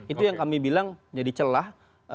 itu yang kami bilang jadi celah